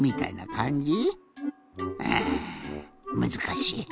うんむずかしい。